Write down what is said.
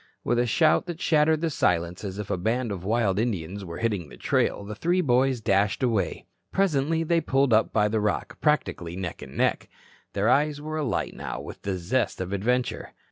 With a shout that shattered the silence as if a band of wild Indians were hitting the trail, the three boys dashed away. Presently they pulled up by the rock, practically neck and neck. Their eyes were alight now with the zest of adventure.